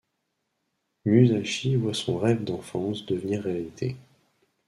Musashi voit son rêve d'enfance devenir réalité.